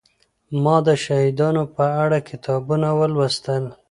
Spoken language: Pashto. ما د شهيدانو په اړه کتابونه ولوستل.